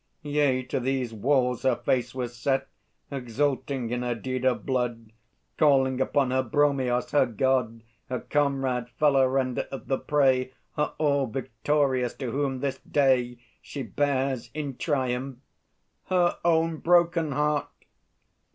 Yea, to these walls her face Was set, exulting in her deed of blood, Calling upon her Bromios, her God, Her Comrade, Fellow Render of the Prey, Her All Victorious, to whom this day She bears in triumph ... her own broken heart!